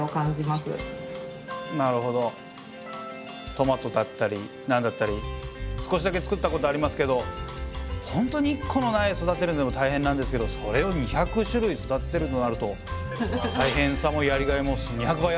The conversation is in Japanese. トマトだったりなんだったり少しだけ作ったことありますけどほんとに１個のなえ育てるのでも大変なんですけどそれを２００種類育ててるとなると大変さもやりがいも２００倍あるわけですもんね。